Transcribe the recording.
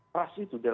trust itu adalah